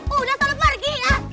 udah selalu pergi